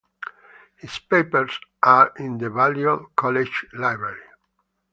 His papers are in the Balliol College library.